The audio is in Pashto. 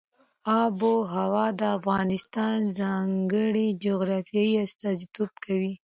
آب وهوا د افغانستان د ځانګړي جغرافیه استازیتوب کوي.